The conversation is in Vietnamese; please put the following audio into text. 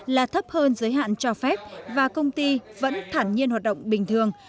là thấp hơn giới hạn cho phép và công ty vẫn thản nhiên hoạt động bình thường